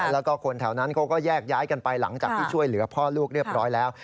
แล้วก็คนแถวนั้นเขาก็แยกย้ายกันไปหลังจากที่ช่วยเหลือพ่อลูกเรียบร้อยแล้ว